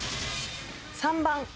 ３番。